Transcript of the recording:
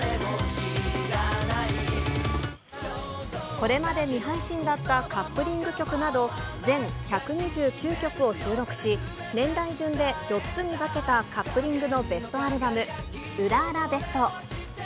これまで、未配信だったカップリング曲など、全１２９曲を収録し、年代順で４つに分けたカップリングのベストアルバム、ウラ嵐ＢＥＳＴ。